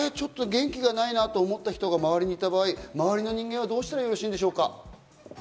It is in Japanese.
元気がないなと思った人が周りにいた場合、周りの人間はどうしたらよろしいでしょうか？